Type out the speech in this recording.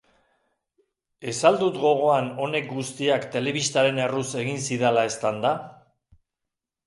Ez al dut gogoan honek guztiak telebistaren erruz egin zidala eztanda?